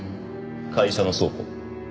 会社の倉庫。